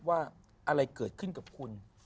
ว่าอะไรเกิดขึ้นกับคุณ